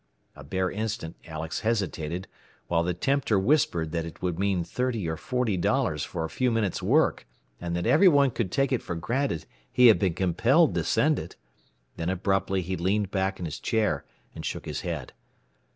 A bare instant Alex hesitated, while the tempter whispered that it would mean thirty or forty dollars for a few minutes' work, and that everyone would take it for granted he had been compelled to send it. Then abruptly he leaned back in his chair and shook his head.